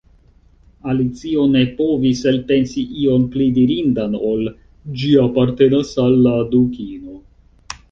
Alicio ne povis elpensi ion pli dirindan ol: "Ĝi apartenas al la Dukino. »